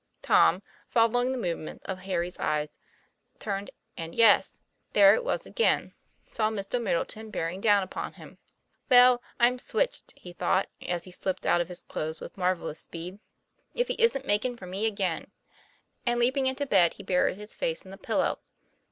Tom, following the movement of Harry's eyes, turned and yes! there it was again saw Mr. Middleton bearing down upon him. 'Well, I'm switched," he thought, as he slipped out of his clothes with marvellous speed, " if he isn't makin' for me again." And leaping into bed he buried his face in the pillow.